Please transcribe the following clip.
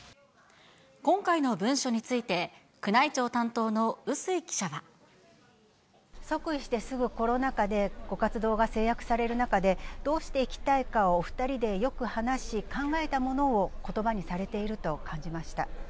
今回の文書について、即位してすぐコロナ禍で、ご活動が制約される中で、どうしていきたいかをお２人でよく話し、考えたものをことばにされていると感じました。